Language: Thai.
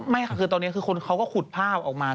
ไม่หรอกครูเขาก็ขุดภาพออกมา